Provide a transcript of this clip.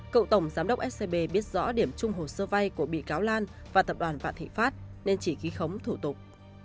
cậu tổng giám đốc scb biết rõ điểm chung hồ sơ vai của bị cáo lan và tập đoàn phản thể khoát nên chỉ ký khống thủ tục